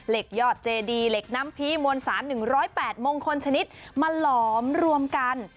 ยอดเจดีเหล็กน้ำพีมวลสาร๑๐๘มงคลชนิดมาหลอมรวมกัน